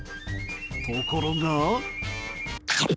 ところが。